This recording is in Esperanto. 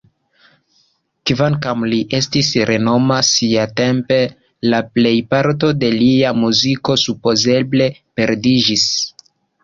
Kvankam li estis renoma siatempe, la plejparto de lia muziko supozeble perdiĝis.